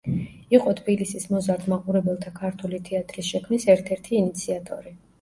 იყო თბილისის მოზარდ მაყურებელთა ქართული თეატრის შექმნის ერთ-ერთი ინიციატორი.